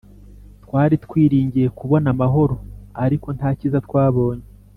Twari twiringiye kubona amahoro ariko nta cyiza twabonye